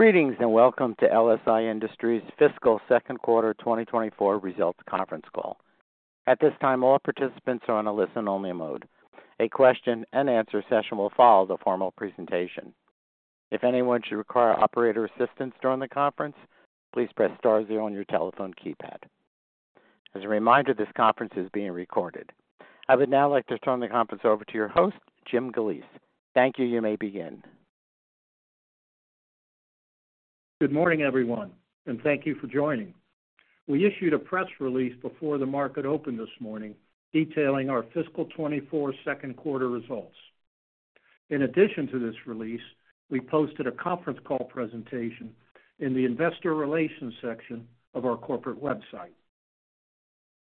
Greetings, and welcome to LSI Industries' Fiscal Second Quarter 2024 results conference call. At this time, all participants are on a listen-only mode. A question-and-answer session will follow the formal presentation. If anyone should require operator assistance during the conference, please press star zero on your telephone keypad. As a reminder, this conference is being recorded. I would now like to turn the conference over to your host, Jim Galeese. Thank you. You may begin. Good morning, everyone, and thank you for joining. We issued a press release before the market opened this morning, detailing our fiscal 2024 second quarter results. In addition to this release, we posted a conference call presentation in the investor relations section of our corporate website.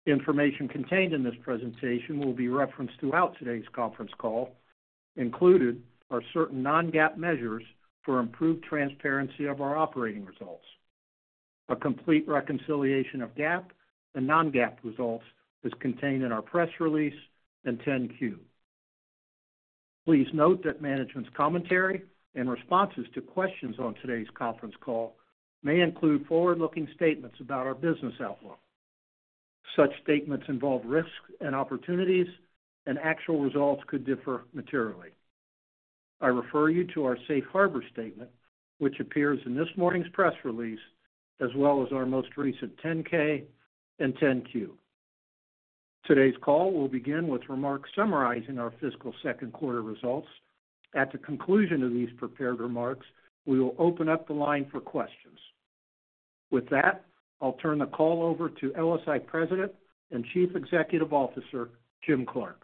Information contained in this presentation will be referenced throughout today's conference call. Included are certain non-GAAP measures for improved transparency of our operating results. A complete reconciliation of GAAP and non-GAAP results is contained in our press release and 10-Q. Please note that management's commentary and responses to questions on today's conference call may include forward-looking statements about our business outlook. Such statements involve risks and opportunities, and actual results could differ materially. I refer you to our safe harbor statement, which appears in this morning's press release, as well as our most recent 10-K and 10-Q. Today's call will begin with remarks summarizing our fiscal second quarter results. At the conclusion of these prepared remarks, we will open up the line for questions. With that, I'll turn the call over to LSI President and Chief Executive Officer, Jim Clark.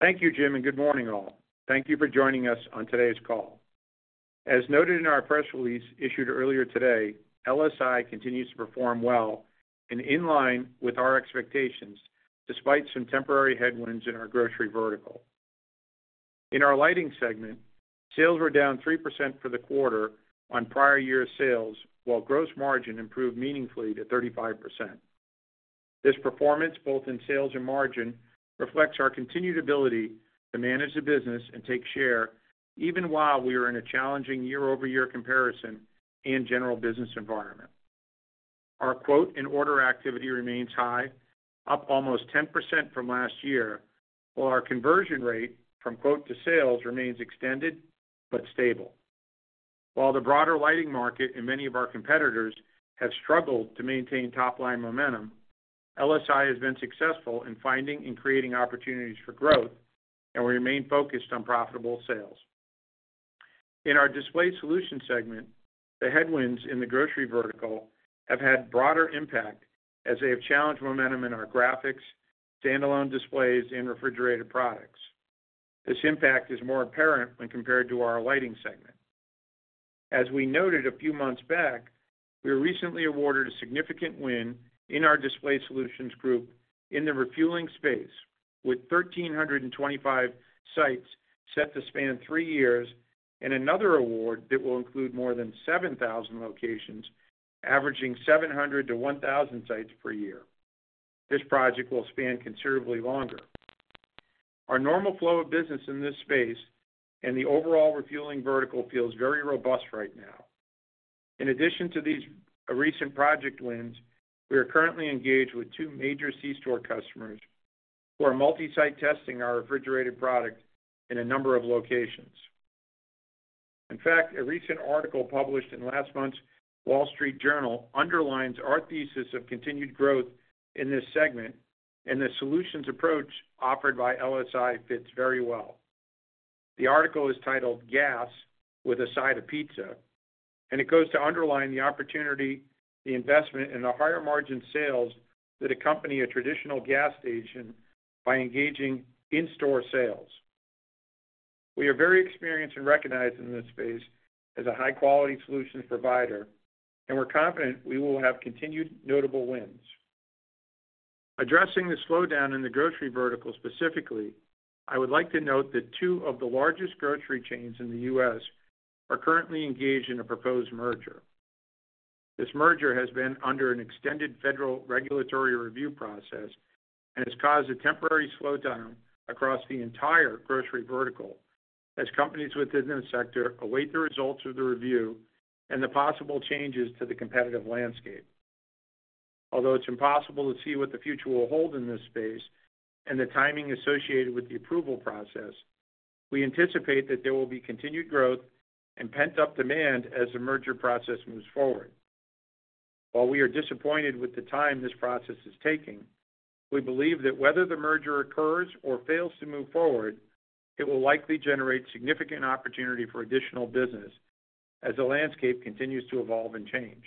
Thank you, Jim, and good morning, all. Thank you for joining us on today's call. As noted in our press release issued earlier today, LSI continues to perform well and in line with our expectations, despite some temporary headwinds in our grocery vertical. In our lighting segment, sales were down 3% for the quarter on prior year sales, while gross margin improved meaningfully to 35%. This performance, both in sales and margin, reflects our continued ability to manage the business and take share, even while we are in a challenging year-over-year comparison and general business environment. Our quote and order activity remains high, up almost 10% from last year, while our conversion rate from quote to sales remains extended but stable. While the broader lighting market and many of our competitors have struggled to maintain top-line momentum, LSI has been successful in finding and creating opportunities for growth, and we remain focused on profitable sales. In our display solution segment, the headwinds in the grocery vertical have had broader impact as they have challenged momentum in our graphics, standalone displays, and refrigerated products. This impact is more apparent when compared to our lighting segment. As we noted a few months back, we were recently awarded a significant win in our Display Solutions group in the refueling space, with 1,325 sites set to span three years, and another award that will include more than 7,000 locations, averaging 700-1,000 sites per year. This project will span considerably longer. Our normal flow of business in this space and the overall refueling vertical feels very robust right now. In addition to these recent project wins, we are currently engaged with two major C-store customers who are multi-site testing our refrigerated product in a number of locations. In fact, a recent article published in last month's Wall Street Journal underlines our thesis of continued growth in this segment, and the solutions approach offered by LSI fits very well. The article is titled Gas With a Side of Pizza, and it goes to underline the opportunity, the investment, and the higher margin sales that accompany a traditional gas station by engaging in-store sales. We are very experienced and recognized in this space as a high-quality solution provider, and we're confident we will have continued notable wins. Addressing the slowdown in the grocery vertical specifically, I would like to note that two of the largest grocery chains in the U.S. are currently engaged in a proposed merger. This merger has been under an extended federal regulatory review process and has caused a temporary slowdown across the entire grocery vertical as companies within the sector await the results of the review and the possible changes to the competitive landscape. Although it's impossible to see what the future will hold in this space and the timing associated with the approval process, we anticipate that there will be continued growth and pent-up demand as the merger process moves forward. While we are disappointed with the time this process is taking, we believe that whether the merger occurs or fails to move forward, it will likely generate significant opportunity for additional business as the landscape continues to evolve and change.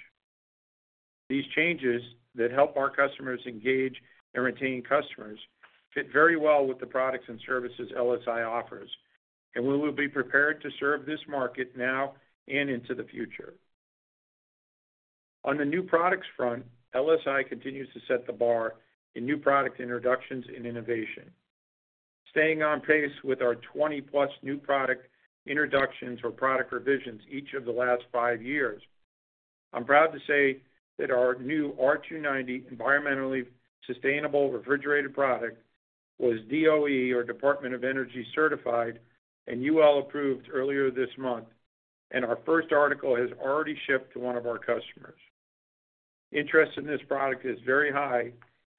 These changes that help our customers engage and retain customers fit very well with the products and services LSI offers, and we will be prepared to serve this market now and into the future. On the new products front, LSI continues to set the bar in new product introductions and innovation. Staying on pace with our 20-plus new product introductions or product revisions each of the last five years. I'm proud to say that our new R-290 environmentally sustainable refrigerated product was DOE, or Department of Energy, certified and UL approved earlier this month, and our first article has already shipped to one of our customers. Interest in this product is very high,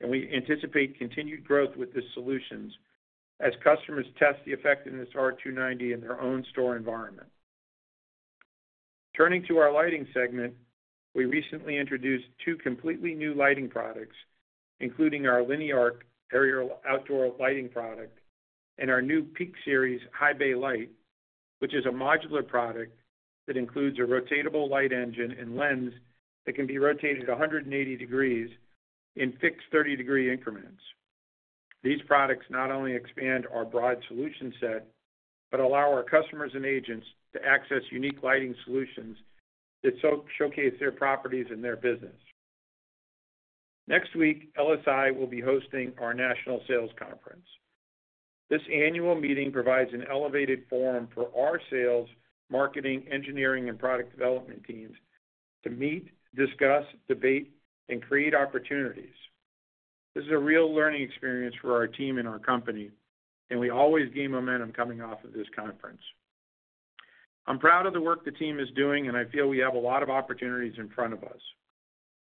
and we anticipate continued growth with the solutions as customers test the effectiveness of R-290 in their own store environment. Turning to our lighting segment, we recently introduced two completely new lighting products, including our Linear Arc Area outdoor lighting product and our new Peak Series High Bay Light, which is a modular product that includes a rotatable light engine and lens that can be rotated 180 degrees in fixed 30-degree increments. These products not only expand our broad solution set, but allow our customers and agents to access unique lighting solutions that showcase their properties and their business. Next week, LSI will be hosting our national sales conference. This annual meeting provides an elevated forum for our sales, marketing, engineering, and product development teams to meet, discuss, debate, and create opportunities. This is a real learning experience for our team and our company, and we always gain momentum coming off of this conference. I'm proud of the work the team is doing, and I feel we have a lot of opportunities in front of us.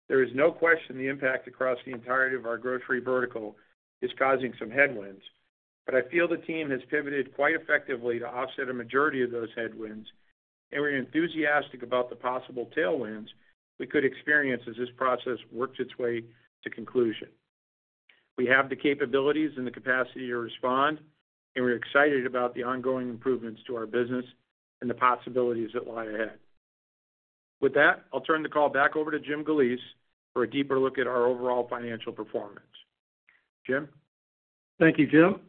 There is no question the impact across the entirety of our grocery vertical is causing some headwinds, but I feel the team has pivoted quite effectively to offset a majority of those headwinds, and we're enthusiastic about the possible tailwinds we could experience as this process works its way to conclusion. We have the capabilities and the capacity to respond, and we're excited about the ongoing improvements to our business and the possibilities that lie ahead. With that, I'll turn the call back over to Jim Galeese for a deeper look at our overall financial performance. Jim? Thank you, Jim.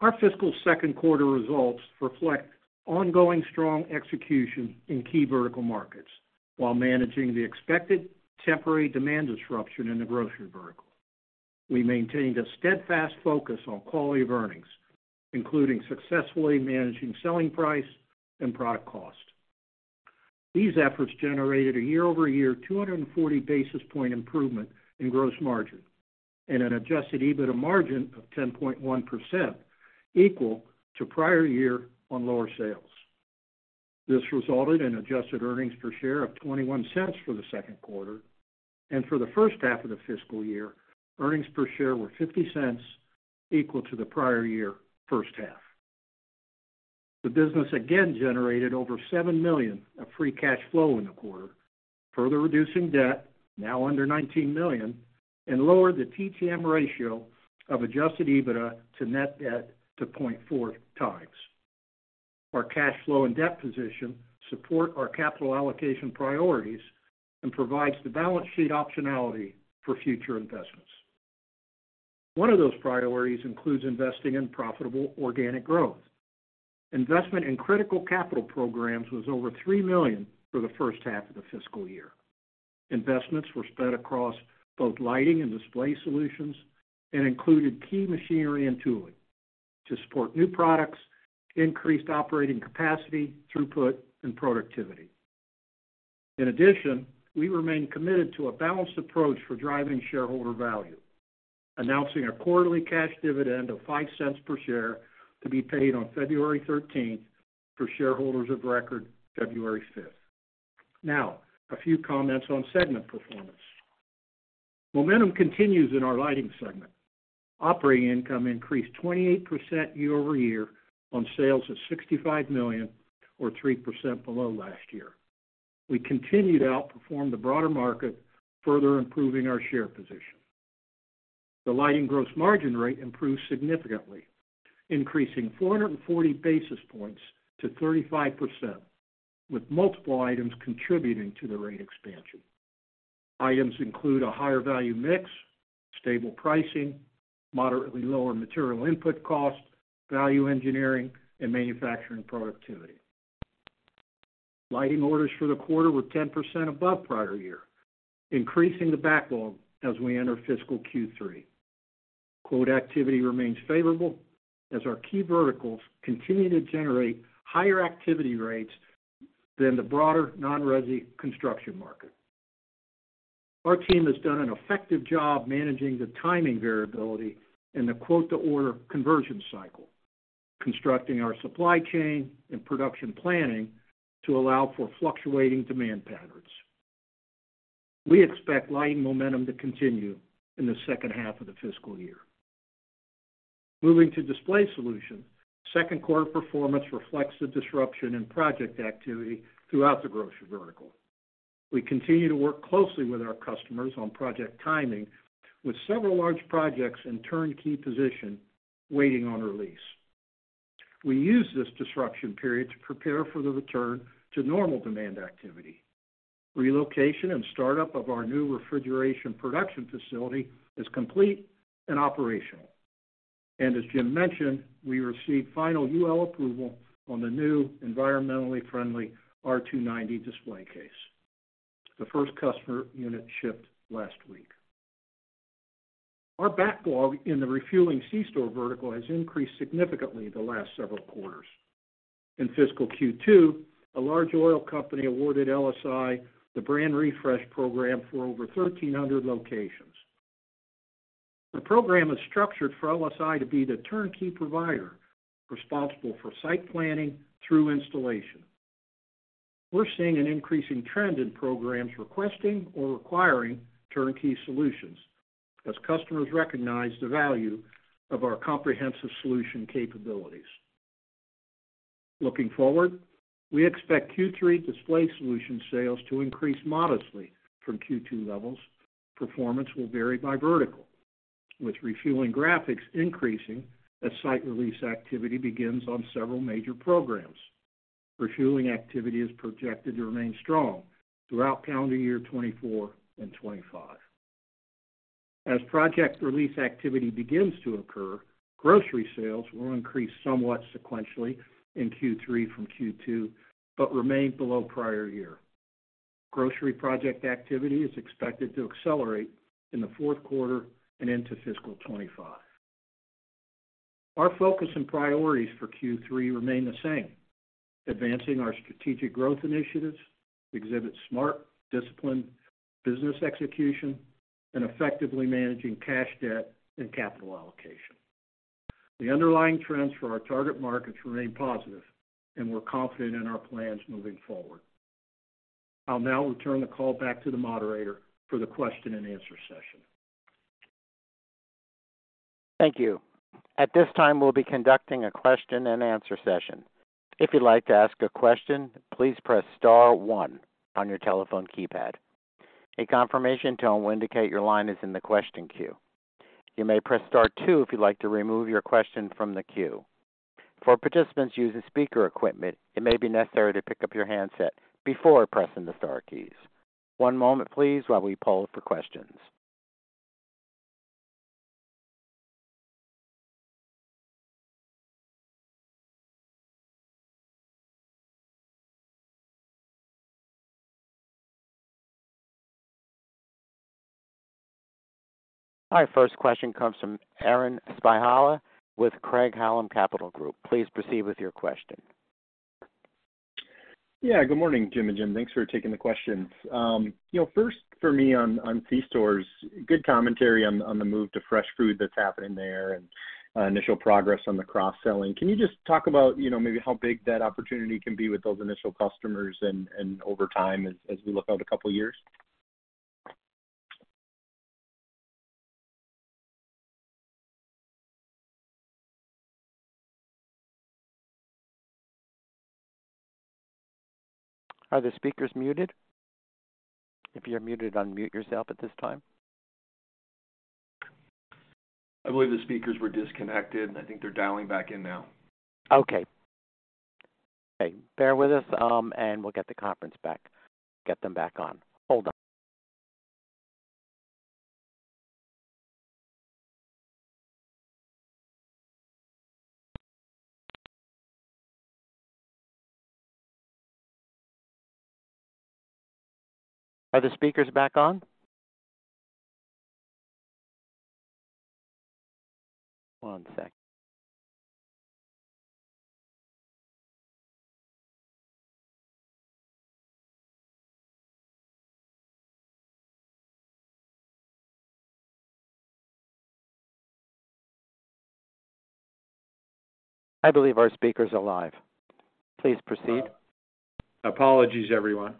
Our fiscal second quarter results reflect ongoing strong execution in key vertical markets, while managing the expected temporary demand disruption in the grocery vertical. We maintained a steadfast focus on quality of earnings, including successfully managing selling price and product cost. These efforts generated a year-over-year 240 basis point improvement in gross margin and an adjusted EBITDA margin of 10.1%, equal to prior year on lower sales. This resulted in adjusted earnings per share of $0.21 for the second quarter, and for the first half of the fiscal year, earnings per share were $0.50, equal to the prior year first half. The business again generated over $7 million of free cash flow in the quarter, further reducing debt, now under $19 million, and lowered the TTM ratio of adjusted EBITDA to net debt to 0.4x. Our cash flow and debt position support our capital allocation priorities and provides the balance sheet optionality for future investments. One of those priorities includes investing in profitable organic growth. Investment in critical capital programs was over $3 million for the first half of the fiscal year. Investments were spread across both lighting and display solutions and included key machinery and tooling to support new products, increased operating capacity, throughput, and productivity. In addition, we remain committed to a balanced approach for driving shareholder value, announcing a quarterly cash dividend of $0.05 per share to be paid on February 13th, for shareholders of record, February 5th. Now, a few comments on segment performance. Momentum continues in our lighting segment. Operating income increased 28% year-over-year on sales of $65 million or 3% below last year. We continued to outperform the broader market, further improving our share position. The lighting gross margin rate improved significantly, increasing 440 basis points to 35%, with multiple items contributing to the rate expansion. Items include a higher value mix, stable pricing, moderately lower material input cost, value engineering, and manufacturing productivity. Lighting orders for the quarter were 10% above prior year, increasing the backlog as we enter fiscal Q3. Quote activity remains favorable as our key verticals continue to generate higher activity rates than the broader non-resi construction market. Our team has done an effective job managing the timing variability and the quote-to-order conversion cycle, constructing our supply chain and production planning to allow for fluctuating demand patterns. We expect lighting momentum to continue in the second half of the fiscal year. Moving to display solutions. Second quarter performance reflects the disruption in project activity throughout the grocery vertical. We continue to work closely with our customers on project timing, with several large projects in turnkey position waiting on release. We used this disruption period to prepare for the return to normal demand activity. Relocation and startup of our new refrigeration production facility is complete and operational. As Jim mentioned, we received final UL approval on the new environmentally friendly R-290 display case. The first customer unit shipped last week. Our backlog in the refueling C-store vertical has increased significantly in the last several quarters. In fiscal Q2, a large oil company awarded LSI the brand refresh program for over 1,300 locations. The program is structured for LSI to be the turnkey provider, responsible for site planning through installation. We're seeing an increasing trend in programs requesting or requiring turnkey solutions, as customers recognize the value of our comprehensive solution capabilities. Looking forward, we expect Q3 display solution sales to increase modestly from Q2 levels. Performance will vary by vertical, with refueling graphics increasing as site release activity begins on several major programs. Refueling activity is projected to remain strong throughout calendar year 2024 and 2025. As project release activity begins to occur, grocery sales will increase somewhat sequentially in Q3 from Q2, but remain below prior year. Grocery project activity is expected to accelerate in the fourth quarter and into fiscal 2025. Our focus and priorities for Q3 remain the same: advancing our strategic growth initiatives, execute smart, disciplined business execution, and effectively managing cash, debt, and capital allocation. The underlying trends for our target markets remain positive, and we're confident in our plans moving forward. I'll now return the call back to the moderator for the question-and-answer session. Thank you. At this time, we'll be conducting a question-and-answer session. If you'd like to ask a question, please press star one on your telephone keypad. A confirmation tone will indicate your line is in the question queue. You may press star two if you'd like to remove your question from the queue. For participants using speaker equipment, it may be necessary to pick up your handset before pressing the star keys. One moment please, while we poll for questions. Our first question comes from Aaron Spychalla with Craig-Hallum Capital Group. Please proceed with your question. Yeah, good morning, Jim and Jim. Thanks for taking the questions. You know, first for me on C-stores, good commentary on the move to fresh food that's happening there and initial progress on the cross-selling. Can you just talk about, you know, maybe how big that opportunity can be with those initial customers and over time as we look out a couple years? Are the speakers muted? If you're muted, unmute yourself at this time. I believe the speakers were disconnected. I think they're dialing back in now. Okay. Okay, bear with us, and we'll get the conference back... Get them back on. Hold on. Are the speakers back on? One second. I believe our speaker's alive. Please proceed. Apologies, everyone.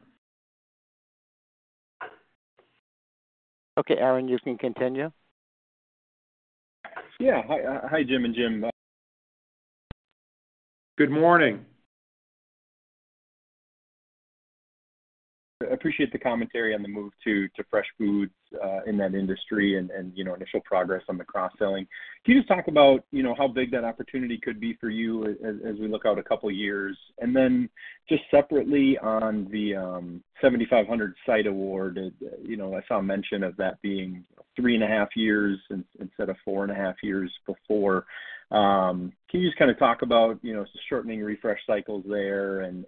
Okay, Aaron, you can continue. Yeah. Hi, Jim and Jim, Good morning. Appreciate the commentary on the move to fresh foods in that industry and you know initial progress on the cross-selling. Can you just talk about you know how big that opportunity could be for you as we look out a couple of years? And then just separately on the 7,500 site award, you know, I saw mention of that being 3.5 years instead of 4.5 years before. Can you just kind of talk about you know shortening refresh cycles there and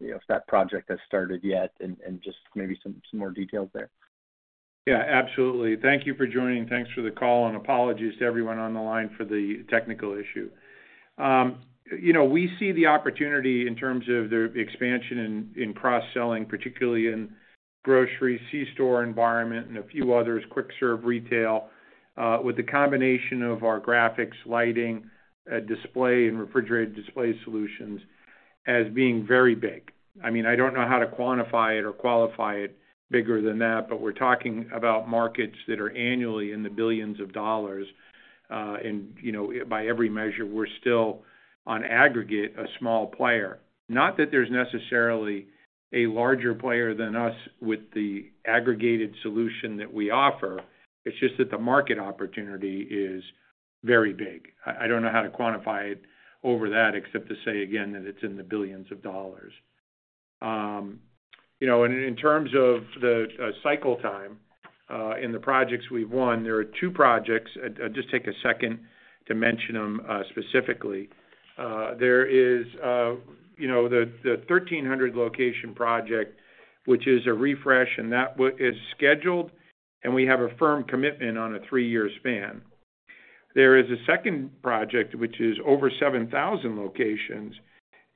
you know if that project has started yet and just maybe some more details there? Yeah, absolutely. Thank you for joining. Thanks for the call, and apologies to everyone on the line for the technical issue. You know, we see the opportunity in terms of the expansion in, in cross-selling, particularly in grocery, C-store environment and a few others, quick serve retail, with the combination of our graphics, lighting, display and refrigerated display solutions, as being very big. I mean, I don't know how to quantify it or qualify it bigger than that, but we're talking about markets that are annually in the billions of dollars. And, you know, by every measure, we're still, on aggregate, a small player. Not that there's necessarily a larger player than us with the aggregated solution that we offer. It's just that the market opportunity is very big. I don't know how to quantify it over that, except to say again, that it's in the billions of dollars. You know, and in terms of the cycle time, in the projects we've won, there are two projects. I'll just take a second to mention them, specifically. There is, you know, the 1,300 location project, which is a refresh, and that one is scheduled, and we have a firm commitment on a three year span. There is a second project, which is over 7,000 locations,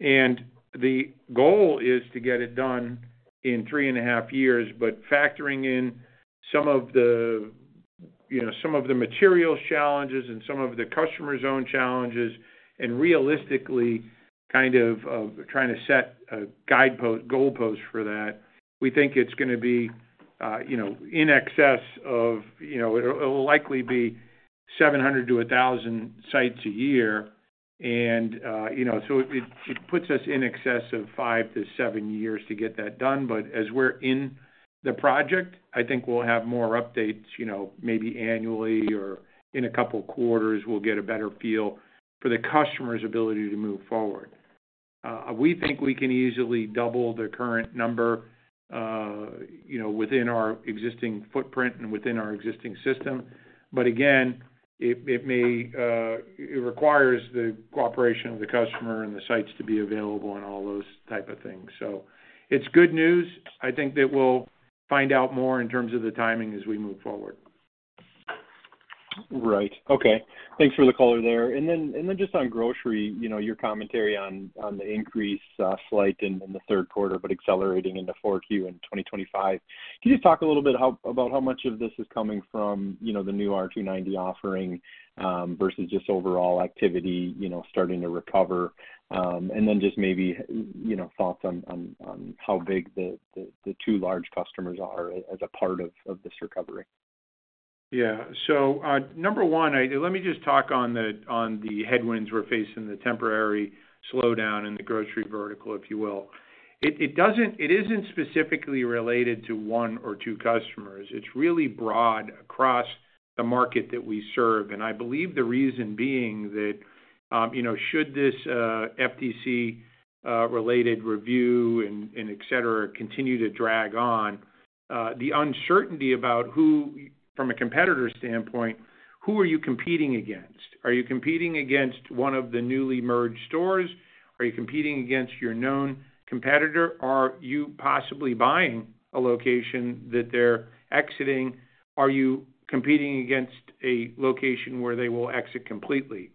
and the goal is to get it done in 3.5 years. But factoring in some of the, you know, some of the material challenges and some of the customer's own challenges, and realistically, kind of, trying to set a guidepost, goalpost for that, we think it's gonna be, you know, in excess of, you know, it'll likely be 700-1,000 sites a year. And, you know, so it, it puts us in excess of five to seven years to get that done. But as we're in the project, I think we'll have more updates, you know, maybe annually or in a couple of quarters, we'll get a better feel for the customer's ability to move forward. We think we can easily double the current number, you know, within our existing footprint and within our existing system. But again, it may, it requires the cooperation of the customer and the sites to be available and all those type of things. So it's good news. I think that we'll find out more in terms of the timing as we move forward. Right. Okay, thanks for the color there. And then just on grocery, you know, your commentary on the increase, slight in the third quarter, but accelerating into 4Q in 2025. Can you just talk a little bit about how much of this is coming from, you know, the new R-290 offering versus just overall activity, you know, starting to recover? And then just maybe, you know, thoughts on how big the two large customers are as a part of this recovery. Yeah. So, number one, let me just talk on the headwinds we're facing, the temporary slowdown in the grocery vertical, if you will. It isn't specifically related to one or two customers. It's really broad across the market that we serve. And I believe the reason being that, you know, should this FTC related review and et cetera continue to drag on, the uncertainty about who, from a competitor standpoint, who are you competing against? Are you competing against one of the newly merged stores? Are you competing against your known competitor? Are you possibly buying a location that they're exiting? Are you competing against a location where they will exit completely?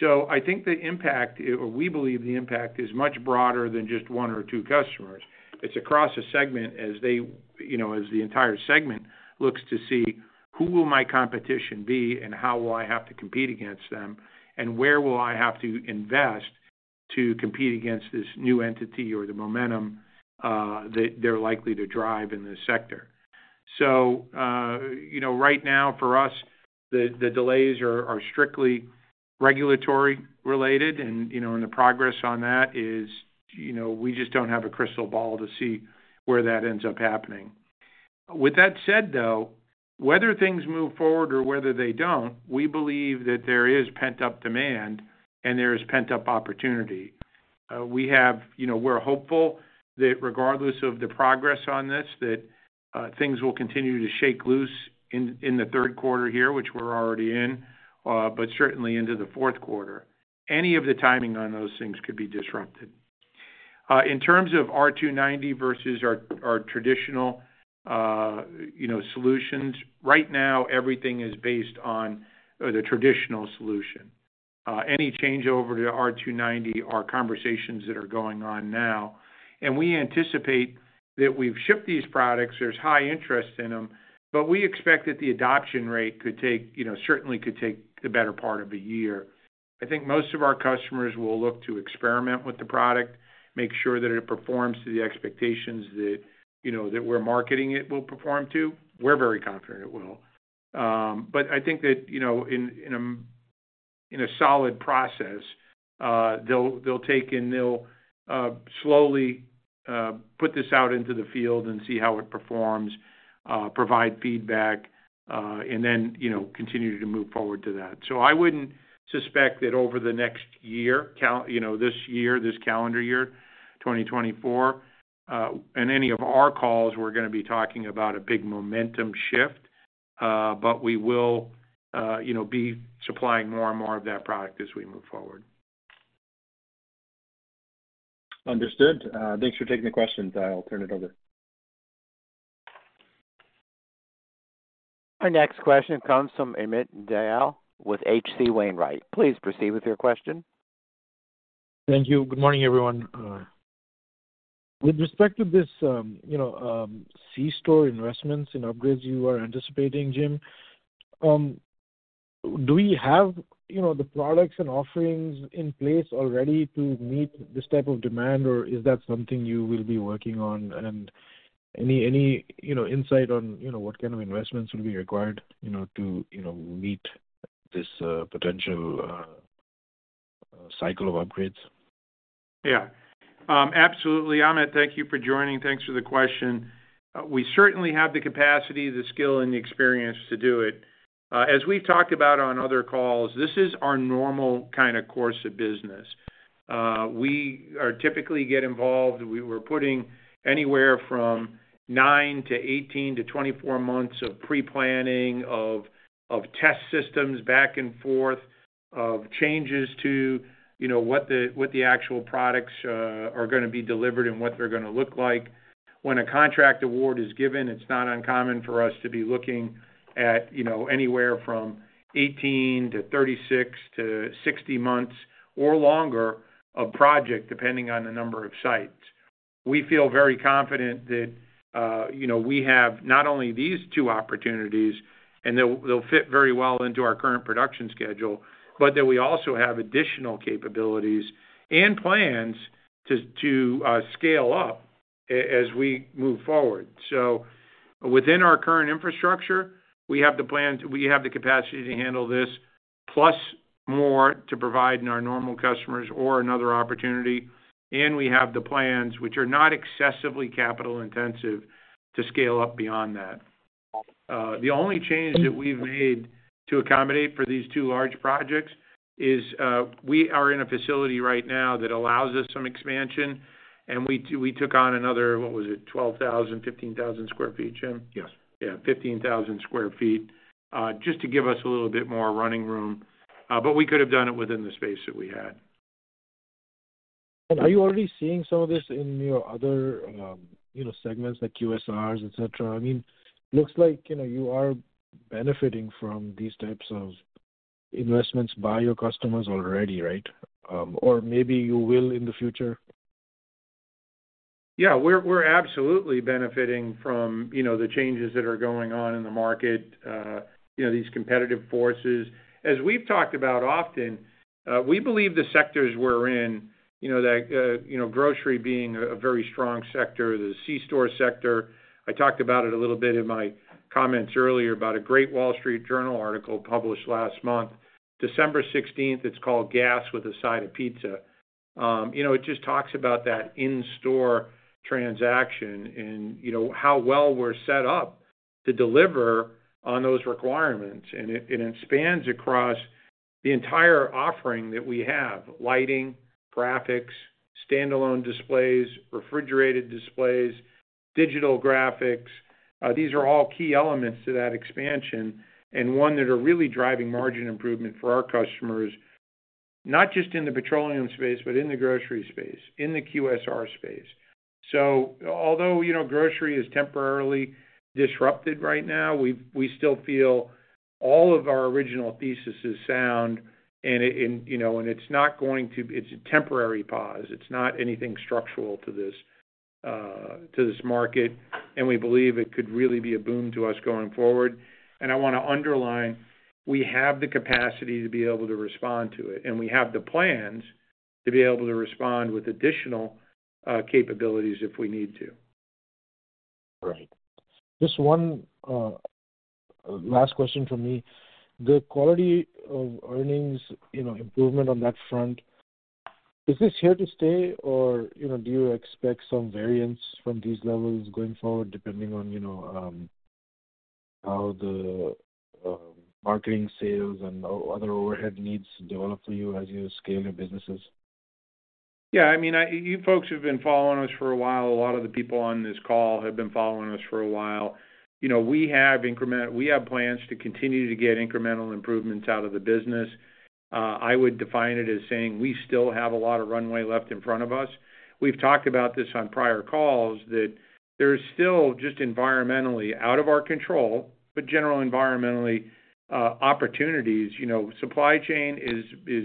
So I think the impact, or we believe the impact is much broader than just one or two customers. It's across a segment as they, you know, as the entire segment looks to see: Who will my competition be and how will I have to compete against them? And where will I have to invest to compete against this new entity or the momentum that they're likely to drive in this sector? So, you know, right now, for us, the delays are strictly regulatory related and the progress on that is, you know, we just don't have a crystal ball to see where that ends up happening. With that said, though, whether things move forward or whether they don't, we believe that there is pent-up demand and there is pent-up opportunity. You know, we're hopeful that regardless of the progress on this, that things will continue to shake loose in the third quarter here, which we're already in, but certainly into the fourth quarter. Any of the timing on those things could be disrupted. In terms of R-290 versus our traditional, you know, solutions, right now, everything is based on the traditional solution. Any change over to R-290 are conversations that are going on now, and we anticipate that we've shipped these products. There's high interest in them, but we expect that the adoption rate could take, you know, certainly could take the better part of a year. I think most of our customers will look to experiment with the product, make sure that it performs to the expectations that, you know, that we're marketing it will perform to. We're very confident it will. But I think that, you know, in a solid process, they'll take and slowly put this out into the field and see how it performs, provide feedback, and then, you know, continue to move forward to that. So I wouldn't suspect that over the next year, you know, this year, this calendar year, 2024, and any of our calls, we're gonna be talking about a big momentum shift, but we will, you know, be supplying more and more of that product as we move forward. Understood. Thanks for taking the question. I'll turn it over. Our next question comes from Amit Dayal with H.C. Wainwright. Please proceed with your question. Thank you. Good morning, everyone. With respect to this, you know, C-store investments and upgrades you are anticipating, Jim, do we have, you know, the products and offerings in place already to meet this type of demand, or is that something you will be working on? And any, you know, insight on, you know, what kind of investments will be required, you know, to, you know, meet this potential cycle of upgrades? Yeah. Absolutely. Amit, thank you for joining. Thanks for the question. We certainly have the capacity, the skill, and the experience to do it. As we've talked about on other calls, this is our normal kind of course of business. We are typically get involved. We were putting anywhere from nine to 18 to 24 months of pre-planning, of test systems back and forth of changes to, you know, what the actual products are gonna be delivered and what they're gonna look like. When a contract award is given, it's not uncommon for us to be looking at, you know, anywhere from 18 to 36 to 60 months or longer, a project, depending on the number of sites. We feel very confident that, you know, we have not only these two opportunities, and they'll fit very well into our current production schedule, but that we also have additional capabilities and plans to scale up as we move forward. So within our current infrastructure, we have the capacity to handle this, plus more to provide in our normal customers or another opportunity, and we have the plans, which are not excessively capital intensive, to scale up beyond that. The only change that we've made to accommodate for these two large projects is, we are in a facility right now that allows us some expansion, and we took on another, what was it? 12,000, 15,000 sq ft, Jim? Yes. Yeah, 15,000 sq ft, just to give us a little bit more running room, but we could have done it within the space that we had. Are you already seeing some of this in your other, you know, segments like QSRs, et cetera? I mean, looks like, you know, you are benefiting from these types of investments by your customers already, right? Or maybe you will in the future. Yeah, we're, we're absolutely benefiting from, you know, the changes that are going on in the market, you know, these competitive forces. As we've talked about often, we believe the sectors we're in, you know, that, you know, grocery being a, a very strong sector, the C-store sector. I talked about it a little bit in my comments earlier about a great Wall Street Journal article published last month, December 16th. It's called Gas with a Side of Pizza. You know, it just talks about that in-store transaction and, you know, how well we're set up to deliver on those requirements, and it, and it spans across the entire offering that we have: lighting, graphics, standalone displays, refrigerated displays, digital graphics. These are all key elements to that expansion, and one that are really driving margin improvement for our customers, not just in the petroleum space, but in the grocery space, in the QSR space. So although, you know, grocery is temporarily disrupted right now, we've we still feel all of our original thesis is sound and, you know, and it's not going to it's a temporary pause. It's not anything structural to this, to this market, and we believe it could really be a boon to us going forward. And I wanna underline, we have the capacity to be able to respond to it, and we have the plans to be able to respond with additional, capabilities if we need to. Right. Just one last question from me. The quality of earnings, you know, improvement on that front, is this here to stay, or, you know, do you expect some variance from these levels going forward, depending on, you know, how the marketing sales and other overhead needs develop for you as you scale your businesses? Yeah, I mean, you folks who've been following us for a while, a lot of the people on this call have been following us for a while. You know, we have plans to continue to get incremental improvements out of the business. I would define it as saying we still have a lot of runway left in front of us. We've talked about this on prior calls, that there is still just environmentally, out of our control, but general environmentally, opportunities. You know, supply chain is.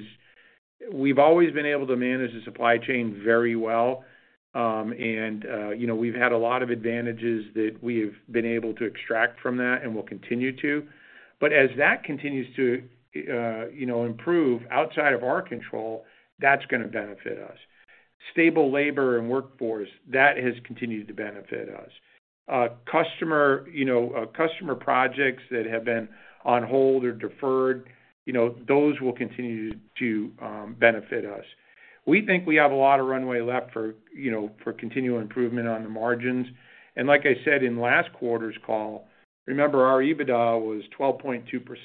We've always been able to manage the supply chain very well. You know, we've had a lot of advantages that we've been able to extract from that, and we'll continue to. But as that continues to, you know, improve outside of our control, that's gonna benefit us. Stable labor and workforce, that has continued to benefit us. Customer, you know, customer projects that have been on hold or deferred, you know, those will continue to benefit us. We think we have a lot of runway left for, you know, for continual improvement on the margins. And like I said in last quarter's call, remember, our EBITDA was 12.2% for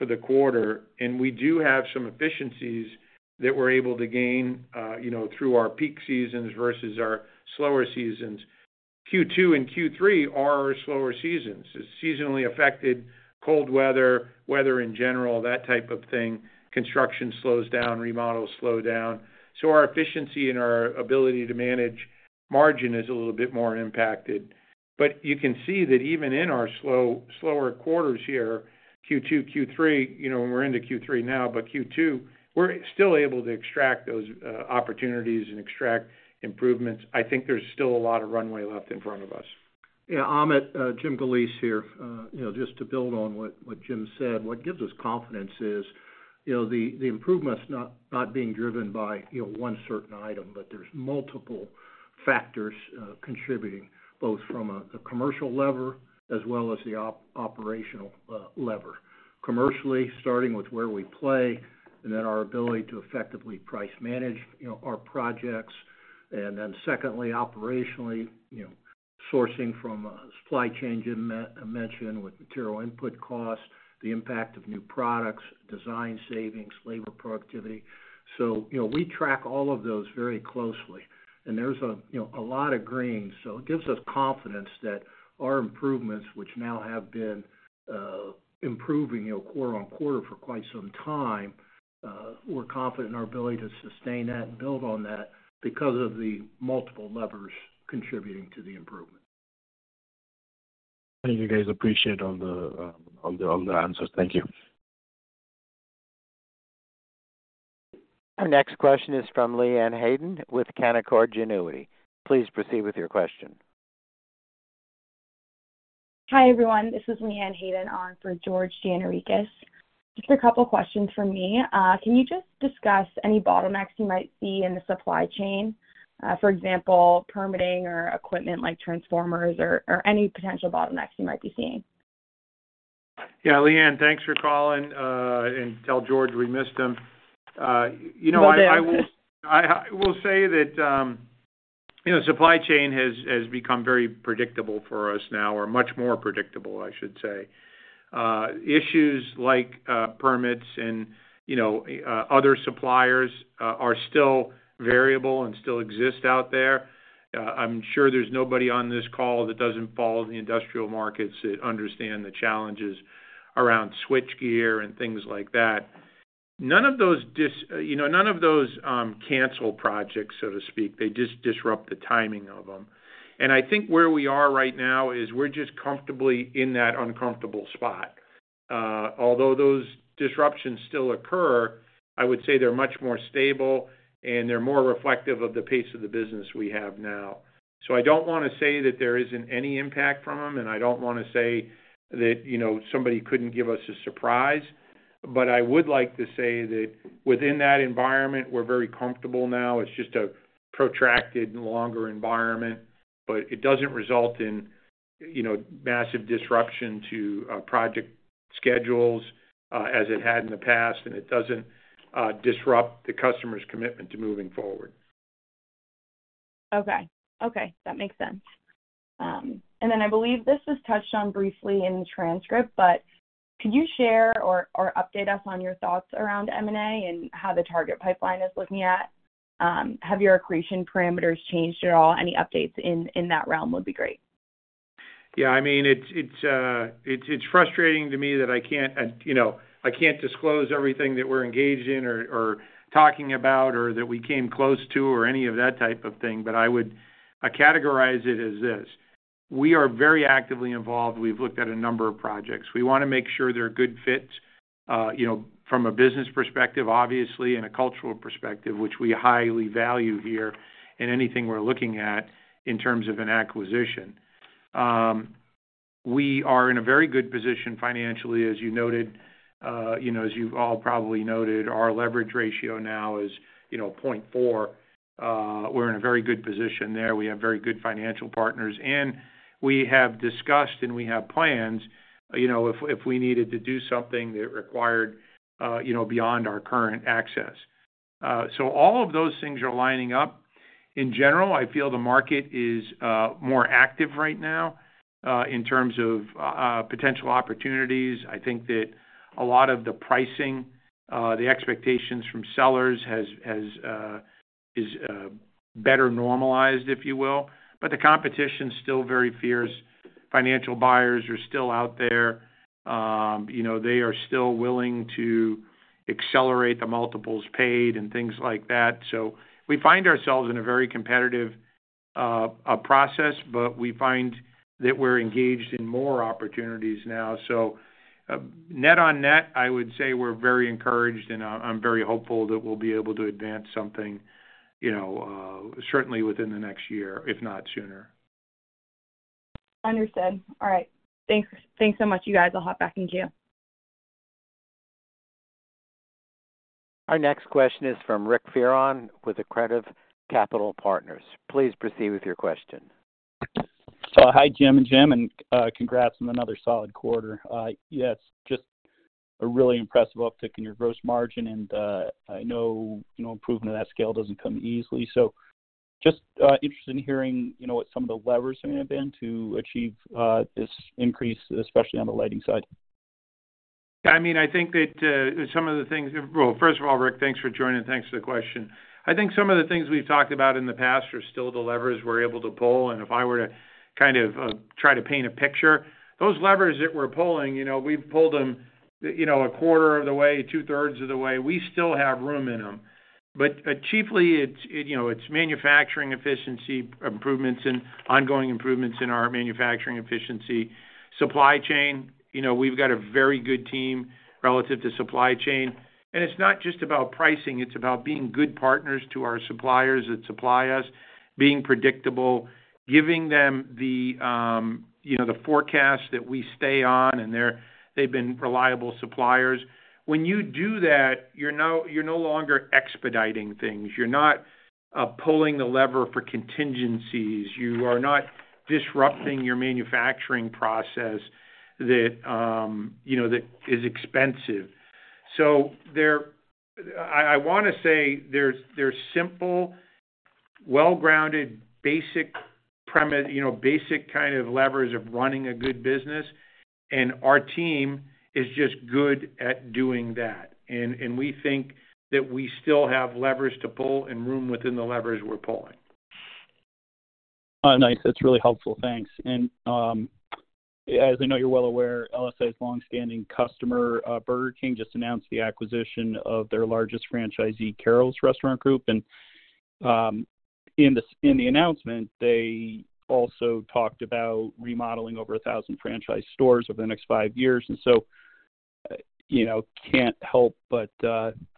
the quarter, and we do have some efficiencies that we're able to gain, you know, through our peak seasons versus our slower seasons. Q2 and Q3 are our slower seasons. It's seasonally affected, cold weather, weather in general, that type of thing. Construction slows down, remodels slow down. So our efficiency and our ability to manage margin is a little bit more impacted. But you can see that even in our slow, slower quarters here, Q2, Q3, you know, we're into Q3 now, but Q2, we're still able to extract those opportunities and extract improvements. I think there's still a lot of runway left in front of us. Yeah, Amit, Jim Galeese here. You know, just to build on what Jim said, what gives us confidence is, you know, the improvement's not being driven by, you know, one certain item, but there's multiple factors contributing, both from a commercial lever as well as the operational lever. Commercially, starting with where we play and then our ability to effectively price manage, you know, our projects. And then secondly, operationally, you know sourcing from supply chain, I mentioned with material input costs, the impact of new products, design savings, labor productivity. So, you know, we track all of those very closely, and there's a, you know, a lot of green. So it gives us confidence that our improvements, which now have been improving, you know, quarter-over-quarter for quite some time, we're confident in our ability to sustain that and build on that because of the multiple levers contributing to the improvement. Thank you, guys. Appreciate on the answers. Thank you. Our next question is from Leanne Hayden with Canaccord Genuity. Please proceed with your question. Hi, everyone. This is Leanne Hayden on for George Gianarikas. Just a couple questions from me. Can you just discuss any bottlenecks you might see in the supply chain? For example, permitting or equipment like transformers or any potential bottlenecks you might be seeing. Yeah, Leanne, thanks for calling, and tell George we missed him. You know, I- Will do. I will say that, you know, supply chain has become very predictable for us now, or much more predictable, I should say. Issues like permits and, you know, other suppliers are still variable and still exist out there. I'm sure there's nobody on this call that doesn't follow the industrial markets, that understand the challenges around switchgear and things like that. None of those, you know, none of those cancel projects, so to speak. They just disrupt the timing of them. And I think where we are right now is we're just comfortably in that uncomfortable spot. Although those disruptions still occur, I would say they're much more stable, and they're more reflective of the pace of the business we have now. So I don't wanna say that there isn't any impact from them, and I don't wanna say that, you know, somebody couldn't give us a surprise, but I would like to say that within that environment, we're very comfortable now. It's just a protracted and longer environment, but it doesn't result in, you know, massive disruption to project schedules, as it had in the past, and it doesn't disrupt the customer's commitment to moving forward. Okay. Okay, that makes sense. And then I believe this was touched on briefly in the transcript, but could you share or update us on your thoughts around M&A and how the target pipeline is looking? Have your accretion parameters changed at all? Any updates in that realm would be great. Yeah, I mean, it's frustrating to me that I can't, you know, I can't disclose everything that we're engaged in or talking about, or that we came close to, or any of that type of thing. But I would, I categorize it as this: We are very actively involved. We've looked at a number of projects. We wanna make sure they're good fits, you know, from a business perspective, obviously, and a cultural perspective, which we highly value here in anything we're looking at in terms of an acquisition. We are in a very good position financially, as you noted. You know, as you've all probably noted, our leverage ratio now is 0.4%. We're in a very good position there. We have very good financial partners, and we have discussed, and we have plans, you know, if we needed to do something that required you know, beyond our current access. So all of those things are lining up. In general, I feel the market is more active right now in terms of potential opportunities. I think that a lot of the pricing the expectations from sellers has is better normalized, if you will. But the competition is still very fierce. Financial buyers are still out there. You know, they are still willing to accelerate the multiples paid and things like that. So we find ourselves in a very competitive process, but we find that we're engaged in more opportunities now. So, net on net, I would say we're very encouraged, and, I'm very hopeful that we'll be able to advance something, you know, certainly within the next year, if not sooner. Understood. All right. Thanks. Thanks so much, you guys. I'll hop back in queue. Our next question is from Rick Fearon with Accretive Capital Partners. Please proceed with your question. So, hi, Jim and Jim, and congrats on another solid quarter. Yes, just a really impressive uptick in your gross margin, and I know, you know, improvement of that scale doesn't come easily. So just interested in hearing, you know, what some of the levers may have been to achieve this increase, especially on the lighting side. I mean, I think that, some of the things... Well, first of all, Rick, thanks for joining, thanks for the question. I think some of the things we've talked about in the past are still the levers we're able to pull, and if I were to kind of try to paint a picture, those levers that we're pulling, you know, we've pulled them, you know, a quarter of the way, two-thirds of the way. We still have room in them. But chiefly, it's, you know, it's manufacturing efficiency improvements and ongoing improvements in our manufacturing efficiency. Supply chain, you know, we've got a very good team relative to supply chain, and it's not just about pricing, it's about being good partners to our suppliers that supply us, being predictable, giving them the, you know, the forecast that we stay on, and they've been reliable suppliers. When you do that, you're no longer expediting things. You're not pulling the lever for contingencies. You are not disrupting your manufacturing process that, you know, that is expensive. So there, I wanna say there's simple, well grounded, basic premise, you know, basic kind of levers of running a good business, and our team is just good at doing that. And we think that we still have levers to pull and room within the levers we're pulling. Nice. That's really helpful. Thanks. As I know you're well aware, LSI's long-standing customer, Burger King, just announced the acquisition of their largest franchisee, Carrols Restaurant Group. In the announcement, they also talked about remodeling over 1,000 franchise stores over the next five years. So, you know, can't help but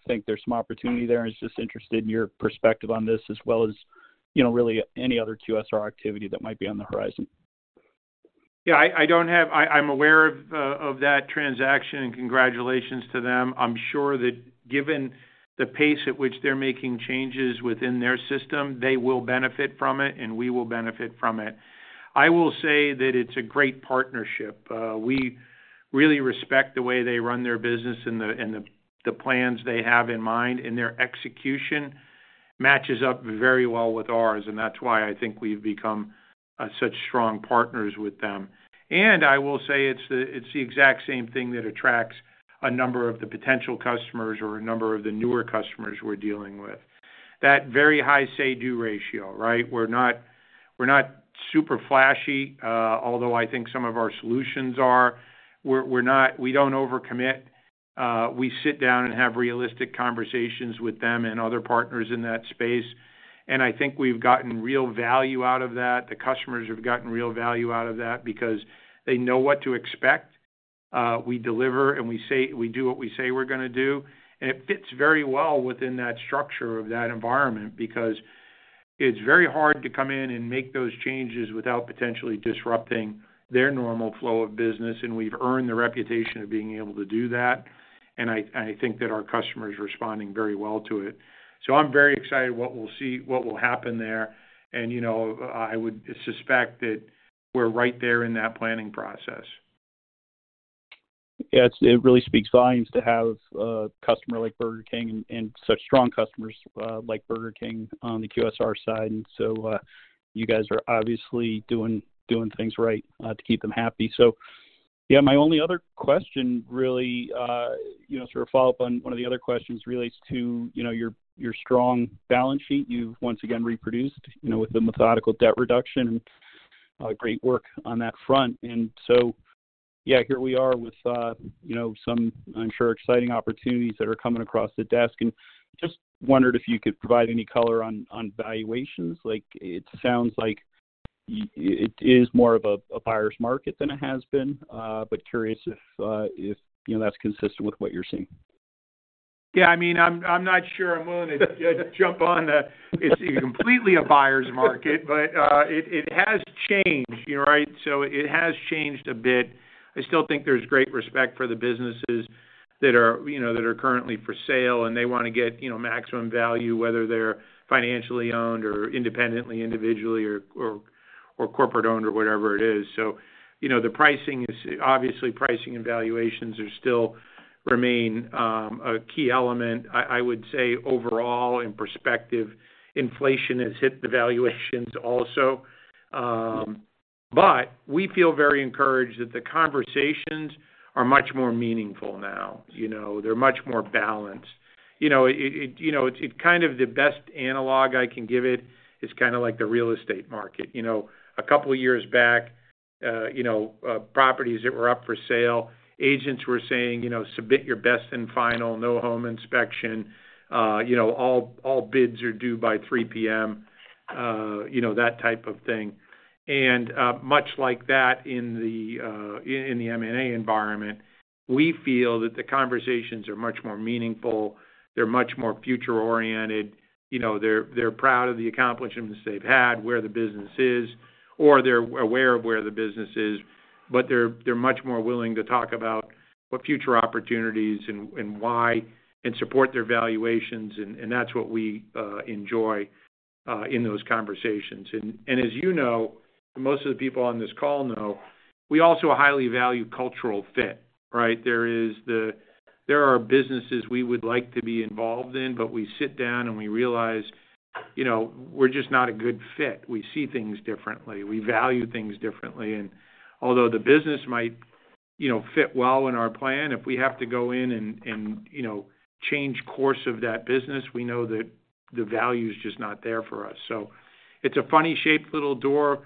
think there's some opportunity there. Just interested in your perspective on this as well as, you know, really any other QSR activity that might be on the horizon. Yeah, I don't have-- I'm aware of that transaction, and congratulations to them. I'm sure that given the pace at which they're making changes within their system, they will benefit from it, and we will benefit from it. I will say that it's a great partnership. We really respect the way they run their business and the plans they have in mind, and their execution matches up very well with ours, and that's why I think we've become such strong partners with them. And I will say it's the exact same thing that attracts a number of the potential customers or a number of the newer customers we're dealing with. That very high say-do ratio, right? We're not super flashy, although I think some of our solutions are. We're not-- We don't overcommit. We sit down and have realistic conversations with them and other partners in that space, and I think we've gotten real value out of that. The customers have gotten real value out of that because they know what to expect. We deliver, and we say, we do what we say we're gonna do. And it fits very well within that structure of that environment because it's very hard to come in and make those changes without potentially disrupting their normal flow of business, and we've earned the reputation of being able to do that, and I, I think that our customer is responding very well to it. So I'm very excited what we'll see, what will happen there. And, you know, I would suspect that we're right there in that planning process. Yeah, it really speaks volumes to have a customer like Burger King and such strong customers like Burger King on the QSR side. And so, you guys are obviously doing things right to keep them happy. So, yeah, my only other question really, you know, sort of follow up on one of the other questions relates to, you know, your strong balance sheet. You've once again reproduced, you know, with the methodical debt reduction and great work on that front. And so, yeah, here we are with, you know, some, I'm sure, exciting opportunities that are coming across the desk. And just wondered if you could provide any color on valuations. Like, it sounds like it is more of a buyer's market than it has been, but curious if, you know, that's consistent with what you're seeing. Yeah, I mean, I'm not sure I'm willing to jump on it's completely a buyer's market, but it has changed, you know, right? So it has changed a bit. I still think there's great respect for the businesses that are, you know, currently for sale, and they wanna get, you know, maximum value, whether they're financially owned or independently, individually or corporate owned or whatever it is. So, you know, the pricing is obviously pricing and valuations still remain a key element. I would say overall in perspective, inflation has hit the valuations also. But we feel very encouraged that the conversations are much more meaningful now. You know, they're much more balanced. You know, it kind of the best analogy I can give it is kind of like the real estate market. You know, a couple of years back, you know, properties that were up for sale, agents were saying, you know, "Submit your best and final, no home inspection." You know, "All bids are due by 3:00 P.M." You know, that type of thing. And much like that in the M&A environment, we feel that the conversations are much more meaningful, they're much more future-oriented. You know, they're proud of the accomplishments they've had, where the business is, or they're aware of where the business is, but they're much more willing to talk about what future opportunities and why, and support their valuations. And that's what we enjoy in those conversations. And as you know, most of the people on this call know, we also highly value cultural fit, right? There are businesses we would like to be involved in, but we sit down and we realize, you know, we're just not a good fit. We see things differently, we value things differently, and although the business might, you know, fit well in our plan, if we have to go in and, and, you know, change course of that business, we know that the value is just not there for us. So it's a funny-shaped little door.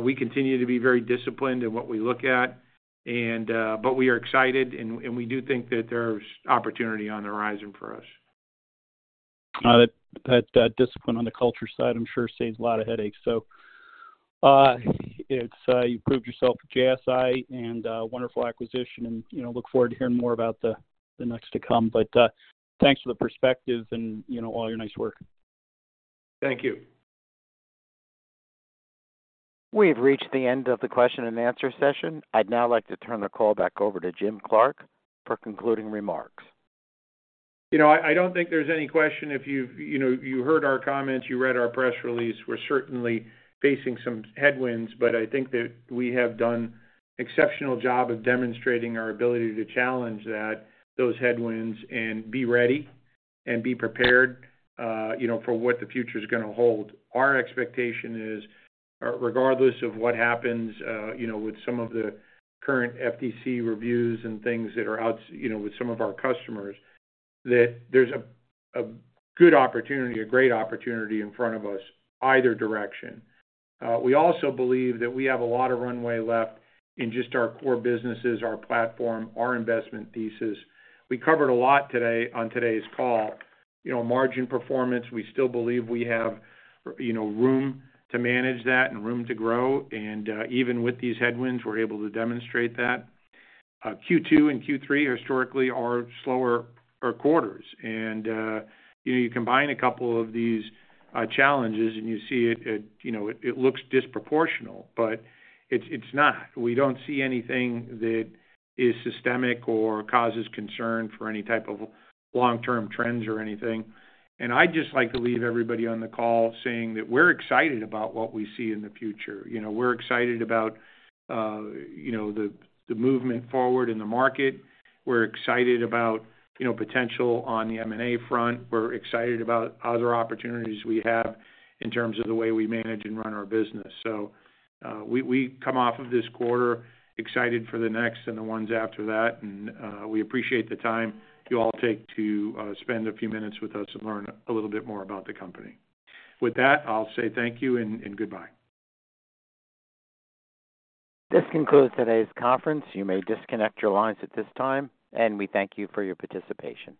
We continue to be very disciplined in what we look at and... But we are excited, and, and we do think that there's opportunity on the horizon for us. That discipline on the culture side, I'm sure, saves a lot of headaches. So, it you've proved yourself with LSI and wonderful acquisition and, you know, look forward to hearing more about the next to come. But, thanks for the perspective and, you know, all your nice work. Thank you. We've reached the end of the question and answer session. I'd now like to turn the call back over to Jim Clark for concluding remarks. You know, I, I don't think there's any question if you've—you know, you heard our comments, you read our press release, we're certainly facing some headwinds, but I think that we have done exceptional job of demonstrating our ability to challenge that, those headwinds, and be ready and be prepared, you know, for what the future is gonna hold. Our expectation is, regardless of what happens, you know, with some of the current FTC reviews and things that are out, you know, with some of our customers, that there's a good opportunity, a great opportunity in front of us, either direction. We also believe that we have a lot of runway left in just our core businesses, our platform, our investment pieces. We covered a lot today on today's call. You know, margin performance, we still believe we have, you know, room to manage that and room to grow, and, even with these headwinds, we're able to demonstrate that. Q2 and Q3 historically are slower quarters. And, you combine a couple of these challenges and you see it, you know, it looks disproportional, but it's, it's not. We don't see anything that is systemic or causes concern for any type of long-term trends or anything. And I'd just like to leave everybody on the call saying that we're excited about what we see in the future. You know, we're excited about, you know, the movement forward in the market. We're excited about, you know, potential on the M&A front. We're excited about other opportunities we have in terms of the way we manage and run our business. So, we come off of this quarter excited for the next and the ones after that, and we appreciate the time you all take to spend a few minutes with us and learn a little bit more about the company. With that, I'll say thank you and goodbye. This concludes today's conference. You may disconnect your lines at this time, and we thank you for your participation.